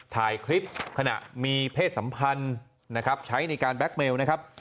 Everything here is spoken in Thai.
ถ่ายคลิปขณะมีเพศสัมพันธ์นะครับใช้ในการแก๊กเมลนะครับ